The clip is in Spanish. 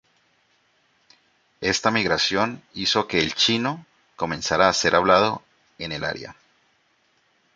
Esta migración hizo que el chino comenzara a ser hablado en el área.